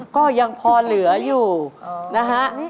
ก็ยังพอเหลืออยู่นะฮะ